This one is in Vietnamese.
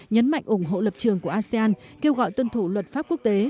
nhấn mạnh ủng hộ lập trường của asean kêu gọi tuân thủ luật pháp quốc tế